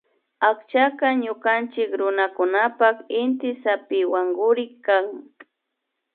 Akchaka ñukanchik runakunapan inty zapiwankurik kan